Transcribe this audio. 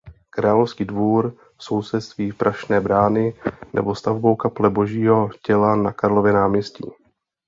Královský dvůr v sousedství Prašné brány nebo stavbou Kaple Božího Těla na Karlově náměstí.